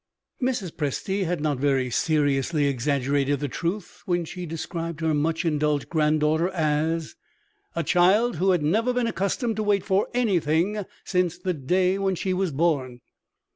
Mrs. Presty had not very seriously exaggerated the truth, when she described her much indulged granddaughter as "a child who had never been accustomed to wait for anything since the day when she was born."